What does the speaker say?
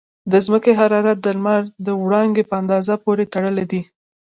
د ځمکې حرارت د لمر د وړانګو په اندازه پورې تړلی دی.